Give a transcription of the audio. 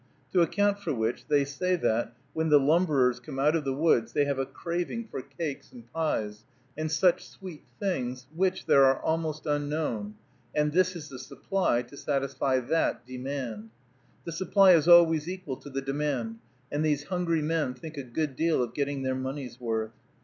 To account for which, they say that, when the lumberers come out of the woods, they have a craving for cakes and pies, and such sweet things, which there are almost unknown, and this is the supply to satisfy that demand. The supply is always equal to the demand, and these hungry men think a good deal of getting their money's worth.